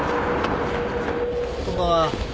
こんばんは。